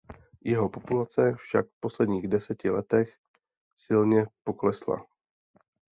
Jeho populace však v posledních deseti letech silně poklesla.